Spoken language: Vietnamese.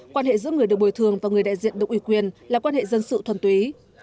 quan hệ giữa người được bồi thường và người đại diện được ủy quyền là quan hệ dân sự thuần túy